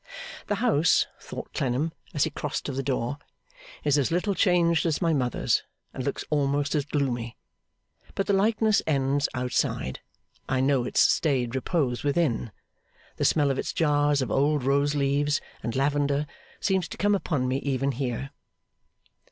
'The house,' thought Clennam, as he crossed to the door, 'is as little changed as my mother's, and looks almost as gloomy. But the likeness ends outside. I know its staid repose within. The smell of its jars of old rose leaves and lavender seems to come upon me even here.